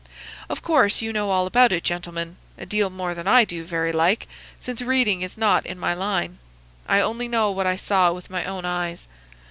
Of course you know all about it, gentlemen,—a deal more than I do, very like, since reading is not in my line. I only know what I saw with my own eyes.